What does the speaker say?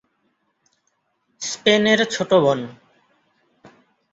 স্পেনের ছোট বোন।